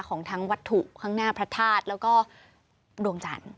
ของทั้งวัตถุข้างหน้าพระธาตุแล้วก็ดวงจันทร์